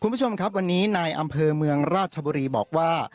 คุณผู้ชมครับวันนี้นายอำเภอเมืองราชบุรีบอกว่า